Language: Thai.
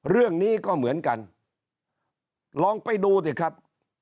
เรื่องนี้ก็เหมือนกันลองไปดูสิครับ